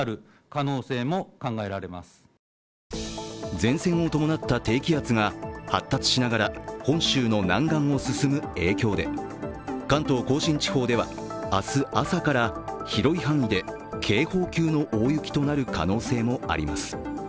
前線を伴った低気圧が発達しながら本州の南岸を進む影響で関東甲信地方では明日朝から広い範囲で警報級の大雪となる可能性もあります。